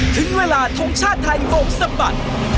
ถึงเวลาทงชาติไทยคงสะบัด